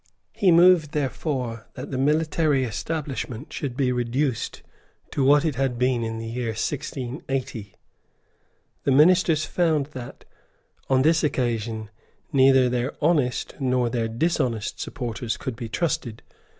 He moved, therefore, that the military establishment should be reduced to what it had been in the year 1680. The Ministers found that, on this occasion, neither their honest nor their dishonest supporters could be trusted.